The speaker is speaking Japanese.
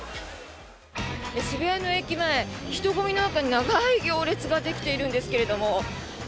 渋谷の駅前、人混みの中長い行列ができているんですけども。